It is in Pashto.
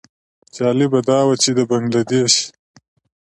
جالبه دا وه چې د بنګله دېش.